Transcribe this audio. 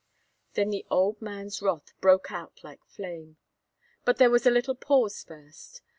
Then the old man's wrath broke out like flame. But there was a little pause first.